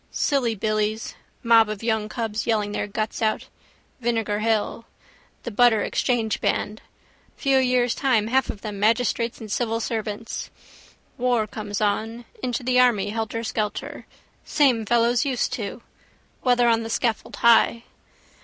Silly billies: mob of young cubs yelling their guts out. Vinegar hill. The Butter exchange band. Few years' time half of them magistrates and civil servants. War comes on: into the army helterskelter: same fellows used to. Whether on the scaffold high.